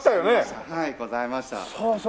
はいございました。